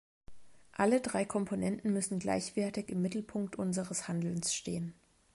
Alle drei Komponenten müssen gleichwertig im Mittelpunkt unseres Handelns stehen.